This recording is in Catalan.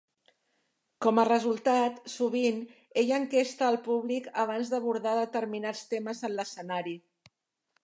Com a resultat, sovint, ell enquesta al públic abans d'abordar determinats temes en l'escenari.